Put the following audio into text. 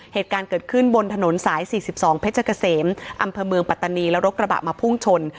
เหตุการณ์เกิดขึ้นบนถนนสาย๔๒เพชรเกษมอำเภอเมืองปัตตานีแล้วรถกระบะมาพุ่งชน